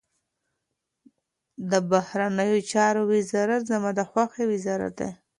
د بهرنیو چارو وزارت زما د خوښي وزارت دی.